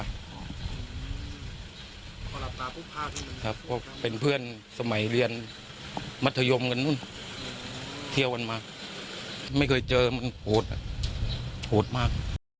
ครับเป็นเพื่อนสมัยเรียนมัธยมกันนู้นเที่ยววันมาไม่เคยเจอมันโหดโหดมาก